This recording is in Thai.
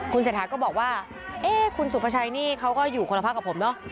เศรษฐาก็บอกว่าเอ๊ะคุณสุภาชัยนี่เขาก็อยู่คนละพักกับผมเนอะ